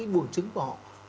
buồn trứng của họ